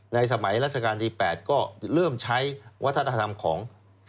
สมัยราชการที่๘ก็เริ่มใช้วัฒนธรรมของ